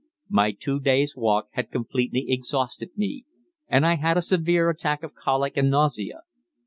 My two days' walk had completely exhausted me, and I had a severe attack of colic and nausea.